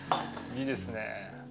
いいですね。